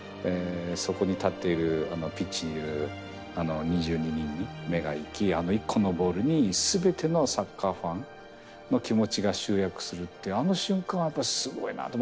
そこに立っているピッチにいる２２人に目が行きあの１個のボールに全てのサッカーファンの気持ちが集約するってあの瞬間はやっぱすごいなと。